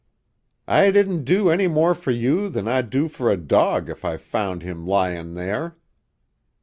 "I didn't do any more for you than I'd do for a dog if I found him lyin' there."